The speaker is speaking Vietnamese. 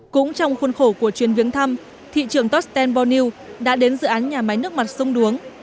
cũng trong khuôn khổ của chuyên viếng thăm thị trường tosten borneo đã đến dự án nhà máy nước mặt sông đuống